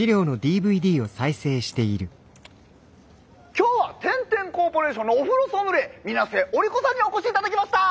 「今日は天・天コーポレーションのお風呂ソムリエ皆瀬織子さんにお越し頂きました！」。